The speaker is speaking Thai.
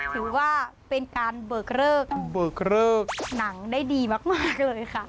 ถือว่าเป็นการเบิกเลิกหนังได้ดีมากเลยค่ะเบิกเลิก